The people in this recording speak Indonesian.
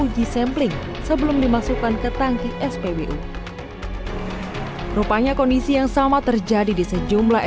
uji sampling sebelum dimasukkan ke tangki spbu rupanya kondisi yang sama terjadi di sejumlah